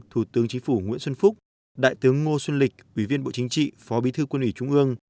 thủ tướng chính phủ nguyễn xuân phúc đại tướng ngô xuân lịch ủy viên bộ chính trị phó bí thư quân ủy trung ương